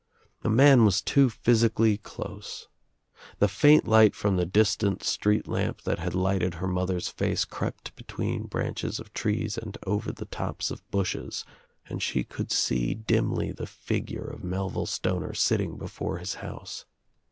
The man was too physically close. The faint light from the distant street lamp that had lighted her mother's face crept between branches of trees and over the tops of bushes and she could see dimly the figure of Mel ville Stoner sitting before his house.